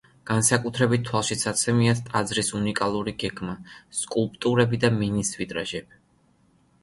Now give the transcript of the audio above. განსაკუთრებით თვალშისაცემია ტაძრის უნიკალური გეგმა, სკულპტურები და მინის ვიტრაჟები.